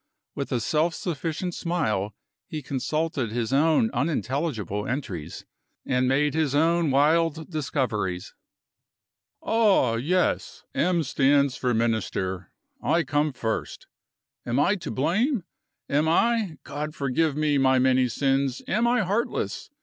With a self sufficient smile he consulted his own unintelligible entries, and made his own wild discoveries. "Ah, yes; 'M' stands for Minister; I come first. Am I to blame? Am I God forgive me my many sins am I heartless?